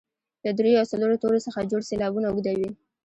له دریو او څلورو تورو څخه جوړ سېلابونه اوږده وي.